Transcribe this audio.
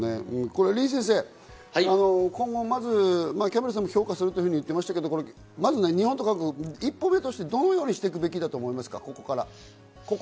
リ先生、キャンベルさんも評価すると言っていましたが、まず日本と韓国、１歩目としてどのようにしていくべきですか？